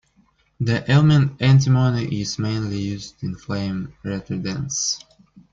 The element antimony is mainly used in flame retardants.